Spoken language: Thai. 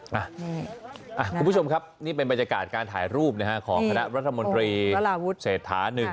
คุณผู้ชมครับนี่เป็นบรรยากาศการถ่ายรูปของคณะรัฐมนตรีวราวุฒิเศรษฐา๑